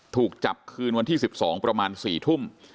ถูกจับคืนวันที่๑๒ประมาณ๔ทุ่ม